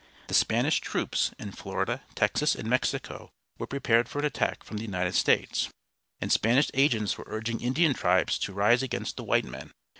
The Spanish troops in Florida, Texas, and Mexico were prepared for an attack from the United States, and Spanish agents were urging Indian tribes to rise against the white men.